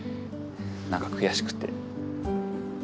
何か悔しくて。